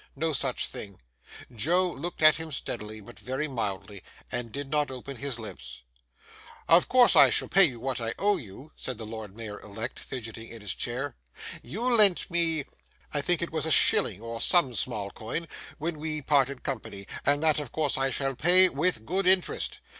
No such thing. Joe looked at him steadily, but very mildly, and did not open his lips. 'Of course I shall pay you what I owe you,' said the Lord Mayor elect, fidgeting in his chair. 'You lent me—I think it was a shilling or some small coin—when we parted company, and that of course I shall pay with good interest.